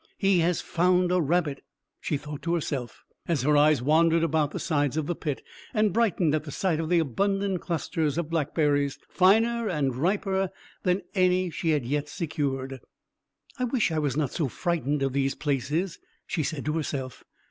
"He has found a rabbit," she thought to herself, as her eyes wandered about the sides of the pit, and brightened at the sight of the abundant clusters of blackberries, finer and riper than any she had yet secured. "I wish I was not so frightened of these places," she said to herself.